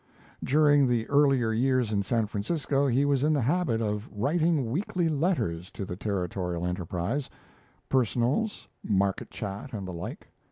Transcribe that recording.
During the earlier years in San Francisco, he was in the habit of writing weekly letters to the 'Territorial Enterprise' personals, market chat, and the like.